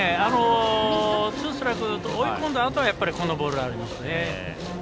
ツーストライクで追い込んだあとにやっぱり今のボールがありますね。